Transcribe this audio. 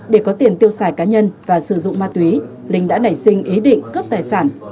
để có tiền tiêu xài cá nhân và sử dụng ma túy linh đã nảy sinh ý định cướp tài sản